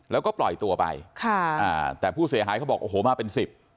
แล้วก็ปล่อยตัวไปค่ะอ่าแต่ผู้เสียหายเขาบอกโอ้โหมาเป็นสิบ